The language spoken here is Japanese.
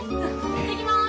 行ってきます！